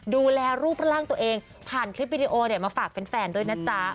ดูแลรูปร่างตัวเองผ่านคลิปวิดีโอเนี่ยมาฝากแฟนด้วยนะจ๊ะ